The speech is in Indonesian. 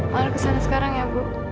lalu kesana sekarang ya bu